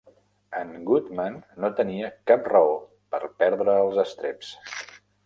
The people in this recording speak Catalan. En Goodman no tenia cap raó per perdre els estreps.